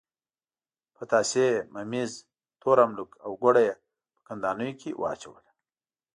پتاسې، ممیز، تور املوک او ګوړه یې په کندانیو کې واچوله.